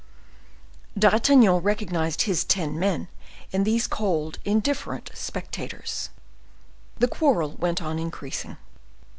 D'Artagnan recognized his ten men in these cold, indifferent spectators. The quarrel went on increasing.